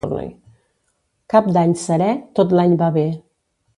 Cap d'Any serè, tot l'any va bé.